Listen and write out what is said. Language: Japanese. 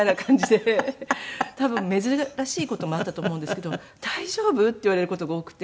多分珍しい事もあったと思うんですけど「大丈夫？」って言われる事が多くて。